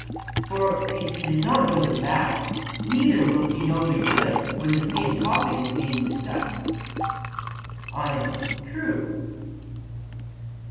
For if he does not know the bad, neither will he know the good when the same topic is being discussed. ION: True.